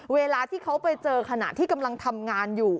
เวลาที่เขาไปเจอขณะที่กำลังทำงานอยู่